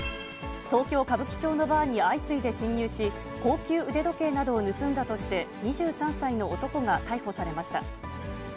東京・歌舞伎町のバーに相次いで侵入し、高級腕時計などを盗んだとして、２３歳の男が逮捕されました。